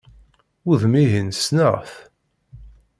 Udem-ihin, ssneɣ-t!